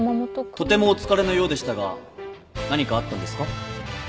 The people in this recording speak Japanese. とてもお疲れのようでしたが何かあったんですか？